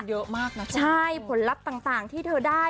เยอะมากนะจ๊ะใช่ผลลัพธ์ต่างที่เธอได้